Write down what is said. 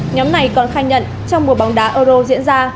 nhóm này còn khai nhận trong mùa bóng đá euro diễn ra